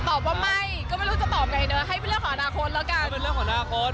ตอบว่าไม่ก็ไม่รู้จะตอบไงเนอะให้เป็นเรื่องของอนาคตแล้วกัน